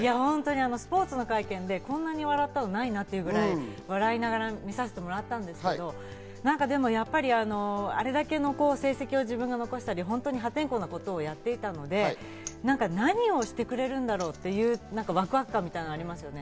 スポーツの会見でこんなに笑ったのないなぐらい笑いながら見させてもらったんですけど、あれだけの成績を自分が残したり、破天荒なことをやっていたので、何をしてくれるんだろうっていうワクワク感みたいなものがありますね。